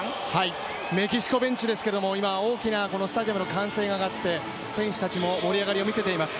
メキシコベンチですけど、今大きなスタジアムの歓声が上がって選手たちも盛り上がりを見せています。